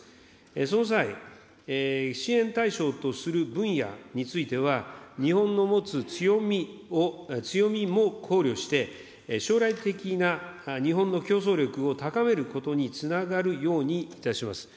その際、支援対象とする分野については、日本の持つ強みも考慮して、将来的な日本の競争力を高めることにつながるようにいたします。